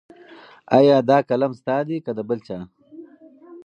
ایا دا قلم ستا دی که د بل چا؟